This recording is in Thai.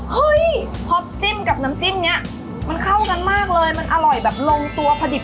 เฮ้ยพอจิ้มกับน้ำจิ้มเนี้ยมันเข้ากันมากเลยมันอร่อยแบบลงตัวพอดิบ